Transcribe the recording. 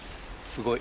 すごい。